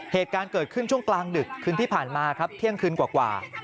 เหตุการณ์เกิดขึ้นช่วงกลางดึกคืนที่ผ่านมาครับเที่ยงคืนกว่า